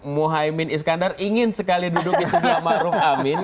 muhyemind iskandar ingin sekali duduk di sebelah ma'ruf amin